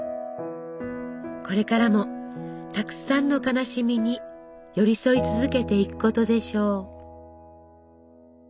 これからもたくさんの悲しみに寄り添い続けていくことでしょう。